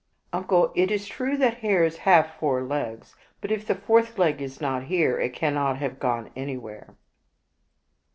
"Uncle, it is true that hares have four legs, but if the fourth leg is not there, it cannot have gone anywhere."